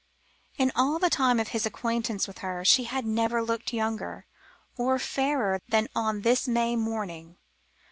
In all the time of his acquaintance with her, she had never looked younger or fairer than on this May morning.